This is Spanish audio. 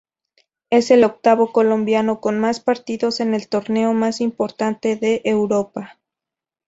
Es el octavo colombiano con más partidos en el torneo más importante de Europa.